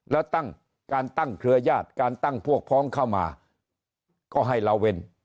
แล้วตั้งการตั้งเครือยาศการตั้งพวกพ้องเข้ามาก็ให้ละเว้น